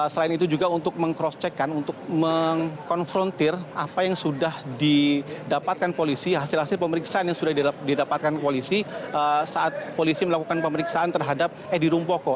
selain itu juga untuk meng cross check kan untuk mengkonfrontir apa yang sudah didapatkan polisi hasil hasil pemeriksaan yang sudah didapatkan polisi saat polisi melakukan pemeriksaan terhadap edi rumpoko